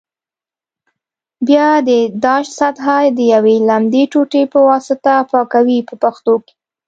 بیا د داش سطحه د یوې لمدې ټوټې په واسطه پاکوي په پښتو کې.